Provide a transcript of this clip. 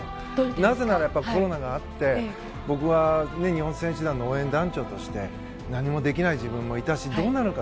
なぜならコロナがあって僕は日本選手団の応援団長として何もできない自分もいたしどうなるのか。